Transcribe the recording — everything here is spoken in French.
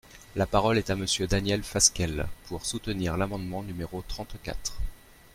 La parole est à Monsieur Daniel Fasquelle, pour soutenir l’amendement numéro trente-quatre.